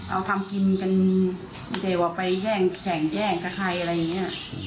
เอาทำกินกันไม่ใช่ว่าไปแย่งแข่งแย่งกับใครอะไรอย่างนี้